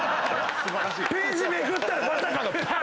ページめくったらまさかのパーン！